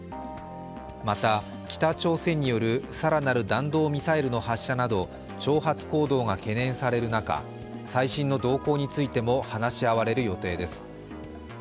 また、北朝鮮による更なる弾道ミサイルの発射など挑発行動が懸念される中最新の動向についても話し合われる予定です。